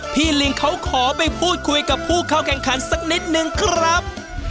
ลิงเขาขอไปพูดคุยกับผู้เข้าแข่งขันสักนิดนึงครับ